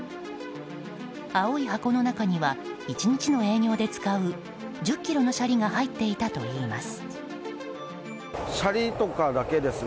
青い箱の中には１日の営業で使う１０ｋｇのシャリが入っていたといいます。